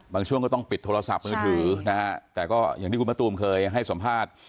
ช่วงก็ต้องปิดโทรศัพท์มือถือนะฮะแต่ก็อย่างที่คุณมะตูมเคยให้สัมภาษณ์